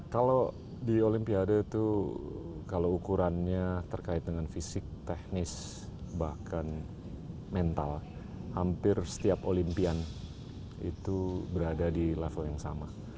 kalau di olimpiade itu kalau ukurannya terkait dengan fisik teknis bahkan mental hampir setiap olimpian itu berada di level yang sama